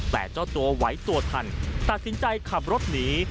แต่เจ้าตัวไหวตัวทันตัดสินใจขับรถหนี